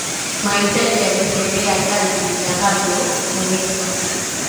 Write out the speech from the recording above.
Mahitaji ya Vitendea kazi vitakavyotumika